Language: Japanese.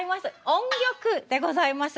音曲でございます。